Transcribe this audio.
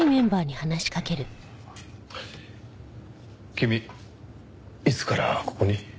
君いつからここに？